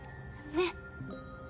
ねっ。